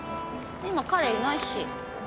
今彼いないし。